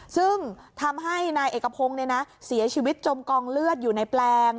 ซึ่งทำให้นายเอกพงศ์เสียชีวิตจมกองเลือดอยู่ในแปลง